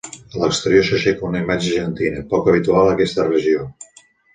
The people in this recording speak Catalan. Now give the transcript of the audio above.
A l'exterior s'aixeca una imatge gegantina, poc habitual a aquesta regió.